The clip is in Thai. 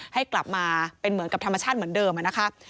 ให้กลับมาเป็นเหมือนกับธรรมชาติเหมือนเดิมนะคะ